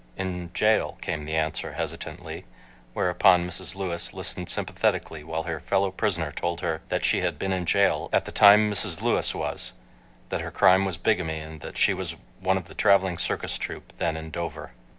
"In jail," came the answer hesitantly, whereupon Mrs. Lewis listened sympathetically while her fellow prisoner told her that she had been in jail at the tipie Mrs. Lewis was, that her crime was bigamy and that she was one of the traveling circus troupe then in Dover.